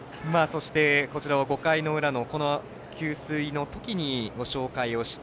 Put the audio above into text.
５回の裏の給水の時にご紹介をした